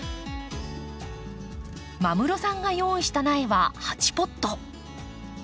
間室さんが用意した苗は８ポット。